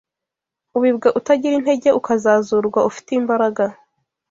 ubibwa utagira intege, ukazazurwa ufite imbaraga